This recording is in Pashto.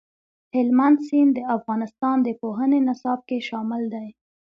هلمند سیند د افغانستان د پوهنې نصاب کې شامل دي.